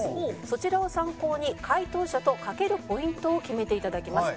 そちらを参考に解答者と賭けるポイントを決めて頂きます。